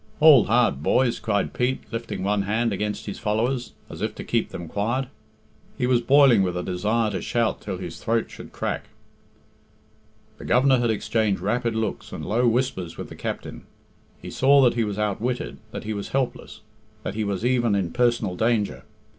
"Hould hard, boys!" cried Pete, lifting one hand against his followers, as if to keep them quiet. He was boiling with a desire to shout till his throat should crack. The Governor had exchanged rapid looks and low whispers with the captain. He saw that he was outwitted, that he was helpless, that he was even in personal danger.